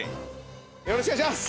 よろしくお願いします。